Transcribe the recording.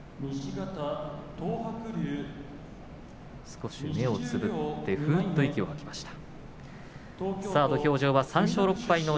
少し目をつぶってふうっと息を吐きました